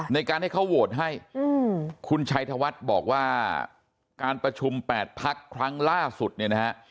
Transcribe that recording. ในการให้เขาโหวตให้คุณชัยธวัฒน์บอกว่าการประชุม๘พักครั้งล่าสุดเนี่ยนะฮะ